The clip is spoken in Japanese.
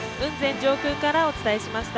上空からお伝えしました。